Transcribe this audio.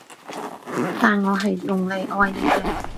但我係用嚟愛你嘅